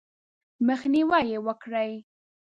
مخنیوی یې وکړئ :